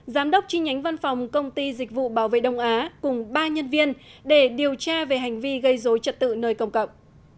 giám đốc chi nhánh văn phòng công ty dịch vụ bảo vệ đông á cùng ba nhân viên để điều tra về hành vi gây dối trật tự nơi công cộng